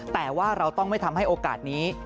แต่ว่าเราต้องไม่ทำให้โอกาสนี้